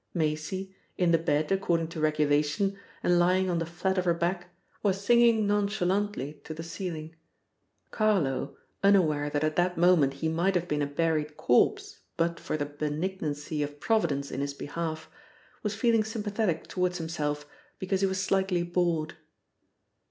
Maisie, in the bed according to regulation, and lying on the flat of her back, was singing nonchalantly to the ceiling. Carlo, unaware that at that moment he might have been a buried corpse but for the benignancy of Providence in his behalf, was feeling sympathetic towards himself because he was slightly bored.